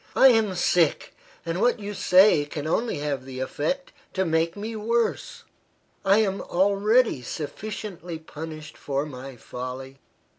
"I am sick, and what you say can only have the effect to make me worse. I am already sufficiently punished for my folly.